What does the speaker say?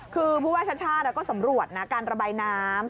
คือผู้ว่าชาติชาติก็สำรวจนะการระบายน้ำ